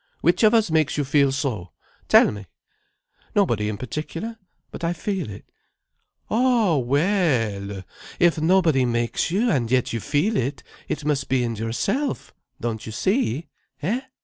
Which of us makes you feel so? Tell me." "Nobody in particular. But I feel it." "Oh we ell! If nobody makes you, and yet you feel it, it must be in yourself, don't you see? Eh?